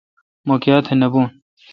مہ کاتھ نہ بھوں